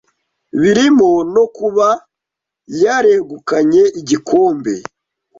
birimo no kuba yaregukanye igikombe